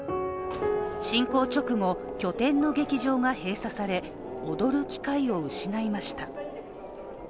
侵攻直後、拠点の劇場が閉鎖され踊る機会を失いました。